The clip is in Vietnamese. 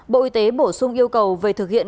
bộ y tế bổ sung yêu cầu về thực hiện